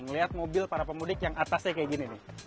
ngeliat mobil para pemudik yang atasnya kayak gini nih